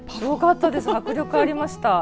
迫力ありました。